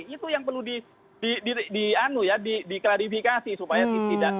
itu yang perlu diklarifikasi supaya tidak